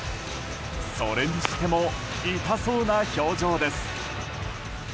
それにしても痛そうな表情です。